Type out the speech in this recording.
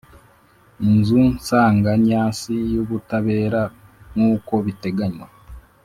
Inzu Nsanganyasi y Ubutabera nkuko biteganywa